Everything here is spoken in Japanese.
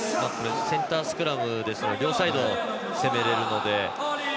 センタースクラムですので両サイド、攻められるので。